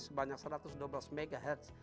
sebanyak satu ratus dua belas mhz